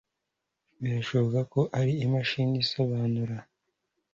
Birashoboka ko ari imashini isobanura.